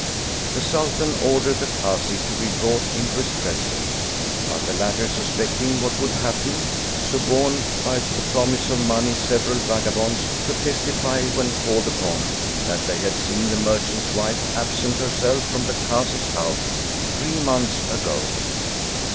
The Sultan ordered the Kazi to be brought into his presence, but the latter, suspecting what would happen, suborned by the promise of money several vagabonds to testify, when called upon, that they had seen the mer chant's wife absent herself from the Kazi's house three months ago.